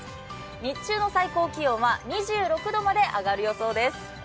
日中の最高気温は２６度まで上がる予報です。